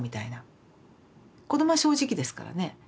子どもは正直ですからね。